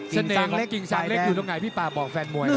ของกิ่งสางเล็กอยู่ตรงไหนพี่ป่าบอกแฟนมวย